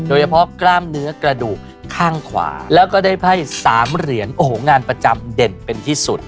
กล้ามเนื้อกระดูกข้างขวาแล้วก็ได้ไพ่๓เหรียญโอ้โหงานประจำเด่นเป็นที่สุด